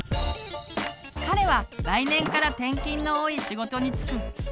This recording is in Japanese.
彼は来年から転勤の多い仕事に就く。